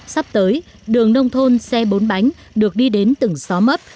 sắp tới đường nông thôn xe bốn bánh được đi đến từng xóm mấp